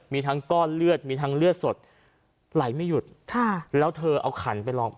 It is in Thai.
มีทั้งก้อนเลือดมีทั้งเลือดสดไหลไม่หยุดค่ะแล้วเธอเอาขันไปลอง